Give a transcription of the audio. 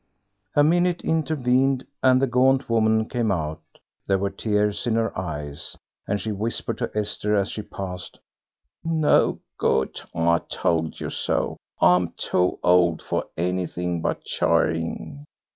A minute intervened, and the gaunt woman came out; there were tears in her eyes, and she whispered to Esther as she passed, "No good; I told you so. I'm too old for anything but charing."